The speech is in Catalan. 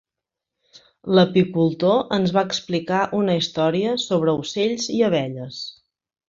L'apicultor ens va explicar una història sobre ocells i abelles.